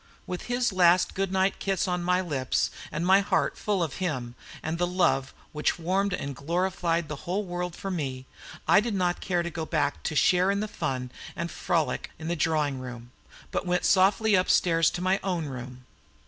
With his last good night kiss on my lips and my heart full of him and the love which warmed and glorified the whole world for me, I did not care to go back to share in the fun and frolic in the drawing room, but went softly upstairs to my own room.